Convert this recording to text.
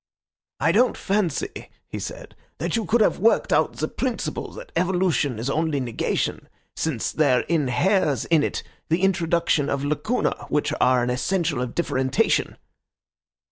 'I don't fancy,' he said, 'that you could have worked out the principle that evolution is only negation, since there inheres in it the introduction of lacuna, which are an essential of differentiation.